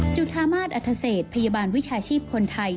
จุธามาศอัธเศษพยาบาลวิชาชีพคนไทย